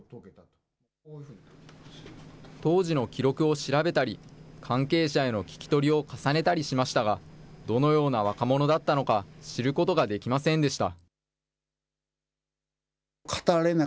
当時の記録を調べたり、関係者への聞き取りを重ねたりしましたが、どのような若者だったのか、知ることができませんでした。